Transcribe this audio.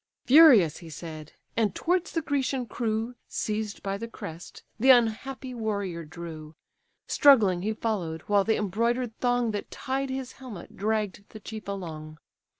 Furious he said, and towards the Grecian crew (Seized by the crest) the unhappy warrior drew; Struggling he followed, while the embroider'd thong That tied his helmet, dragg'd the chief along.